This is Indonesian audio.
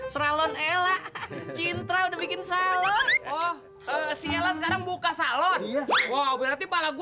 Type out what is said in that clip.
saya meninggalkan bapak